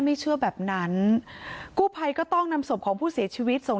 ไม่เชื่อแบบนั้นกู้ภัยก็ต้องนำศพของผู้เสียชีวิตส่ง